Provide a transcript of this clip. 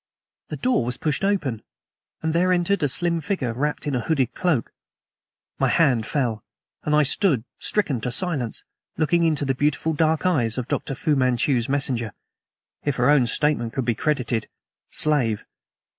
The door was pushed open, and there entered a slim figure wrapped in a hooded cloak. My hand fell, and I stood, stricken to silence, looking into the beautiful dark eyes of Dr. Fu Manchu's messenger if her own statement could be credited, slave.